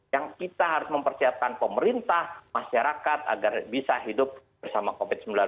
yang kita harus mempersiapkan pemerintah masyarakat agar bisa hidup bersama covid sembilan belas